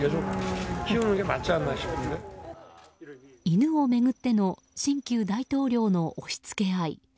犬を巡っての新旧大統領の押し付け合い。